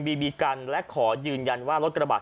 พี่บ้านไม่อยู่ว่าพี่คิดดูด